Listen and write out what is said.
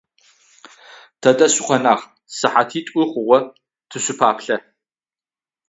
Тэдэ шъукъэнагъ? СыхьатитӀу хъугъэ тышъупаплъэ.